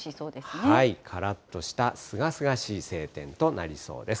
からっとしたすがすがしい晴天となりそうです。